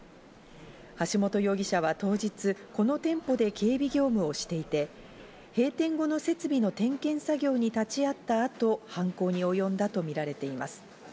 橋本容疑者は当日、この店舗で警備業務をしていて、閉店後の設備の点検作業に立ちあった後、犯行におよんだとみられています。